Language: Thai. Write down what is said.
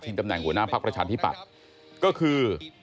ที่จำแหน่งหัวหน้าภักรชาธิปัตรก็คือ